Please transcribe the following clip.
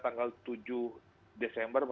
tanggal tujuh desember